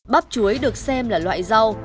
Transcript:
bắp chuối được xem là loại rau